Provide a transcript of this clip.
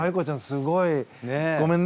すごい。ごめんね。